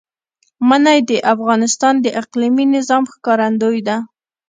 منی د افغانستان د اقلیمي نظام ښکارندوی ده.